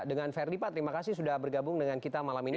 dengan ferdi pak terima kasih sudah bergabung dengan kita malam ini